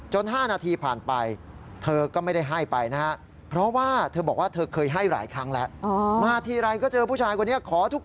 จน๕นาทีผ่านไป